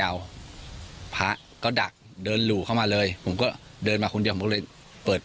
พระก็ดักเดินหลู่เข้ามาเลยผมก็เดินมาคนเดียวผมก็เลยเปิด